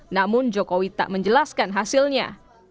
namun jokowi tak menjelaskan hasilnya